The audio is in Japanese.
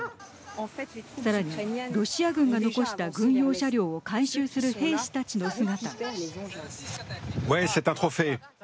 さらに、ロシア軍が残した軍用車両を回収する兵士たちの姿。